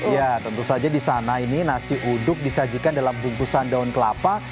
ya tentu saja di sana ini nasi uduk disajikan dalam bungkusan daun kelapa